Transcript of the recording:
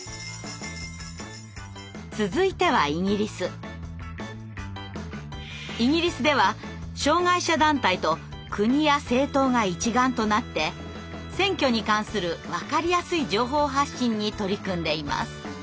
続いてはイギリスでは障害者団体と国や政党が一丸となって選挙に関するわかりやすい情報発信に取り組んでいます。